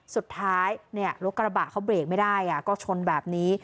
สุดท้ายรถกระบะเขาเบรกไม่ได้ก็ชนแบบนี้